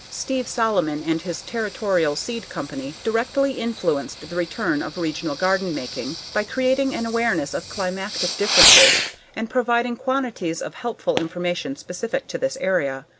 Steve Solomon and his Territorial Seed Company directly influenced the return of regional garden making by creating an awareness of climatic differences and by providing quantities of helpful information specific to this area.